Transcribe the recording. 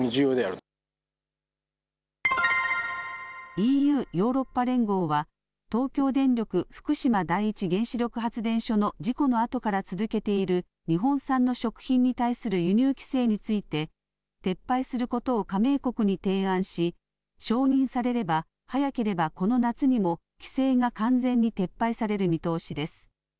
ＥＵ・ヨーロッパ連合は、東京電力福島第一原子力発電所の事故のあとから続けている、日本産の食品に対する輸入規制について、撤廃することを加盟国に提案し、承認されれば早ければこの夏にも、規制が完全に撤廃される見通しです。